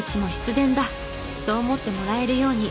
そう思ってもらえるように。